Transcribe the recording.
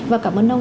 và cảm ơn ông